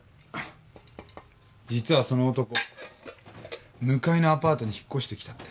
実はその男向かいのアパートに引っ越してきたって。